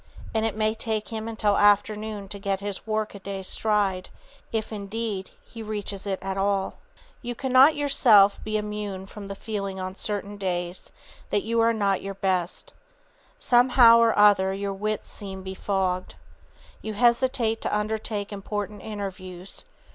And it may take him until afternoon to get into his workaday stride, if, indeed, he reaches it at all. [Sidenote: How to Strike One's Stride] You cannot yourself be immune from the feeling on certain days that you are not at your best. Somehow or other, your wits seem befogged. You hesitate to undertake important interviews.